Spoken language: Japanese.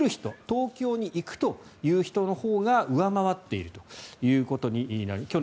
東京に行くという人のほうが上回っているということになります。